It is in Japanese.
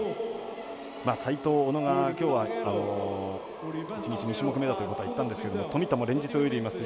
齋藤、小野が、きょうは１日２種目めだということは言ったんですけれども富田も連日泳いでいます。